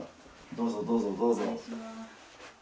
どうぞどうぞどうぞ。